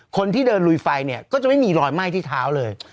คนที่เดินลุยไฟเนี่ยก็จะไม่มีรอยไหม้ที่เท้าเลย